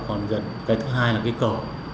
cái thứ hai là cái cầu